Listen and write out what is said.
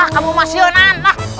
kamu masih onan